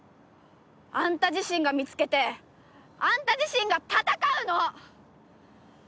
あんた自身が見つけてあんた自身が戦うの！